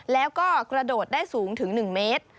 แล้วก็กระโดดได้สูงถึง๑เมตร